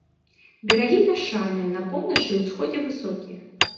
Берагі пясчаныя, на поўначы і ўсходзе высокія.